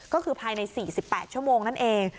ก็คือภายใน๔๘ชั่วโมงนั่นเอง